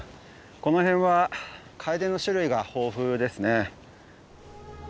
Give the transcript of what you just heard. この辺はカエデの種類が豊富ですね。